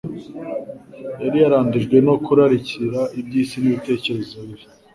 yari yarandujwe no kurarikira iby'isi n'ibitekerezo bibi.